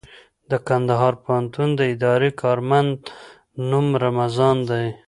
د کندهار پوهنتون د اداري کارمند نوم رمضان دئ.